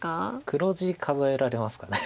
黒地数えられますかね。